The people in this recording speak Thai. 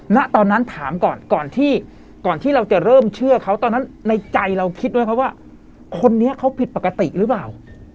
ณตอนนั้นถามก่อนก่อนที่ก่อนที่เราจะเริ่มเชื่อเขาตอนนั้นในใจเราคิดด้วยครับว่าคนนี้เขาผิดปกติหรือเปล่า